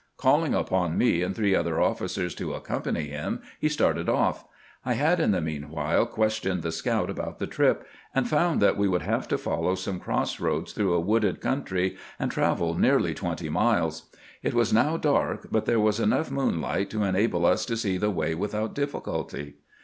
Calling upon me and three other officers to ac company him, he started off. I had in the mean while questioned the scout about the trip, and found that we would have to f oUow some cross roads through a wooded country and travel nearly twenty miles. It was now dark, but there was enough moonlight to enable us to see the way without difficulty.